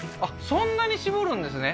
そんなに絞るんですね